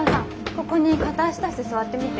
ここに片足出して座ってみて。